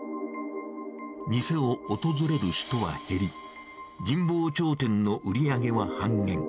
店を訪れる人は減り、神保町店の売り上げは半減。